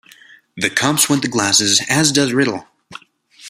The cops want the glasses, as does Rydell.